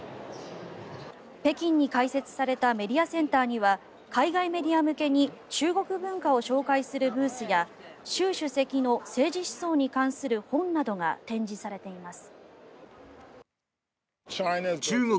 北京に開設されたメディアセンターには海外メディア向けに中国文化を紹介するブースや習主席の政治思想に関する本などが展示されています。